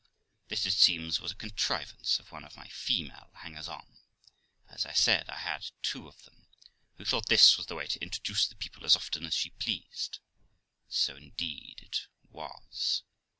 This, it seems, was a contrivance of one of my female hangers on, for, as I said, I had two of them, who thought this was the way to introduce people as often as she pleased ; and so indeed it was.